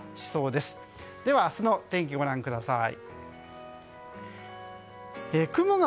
では、明日の天気をご覧ください。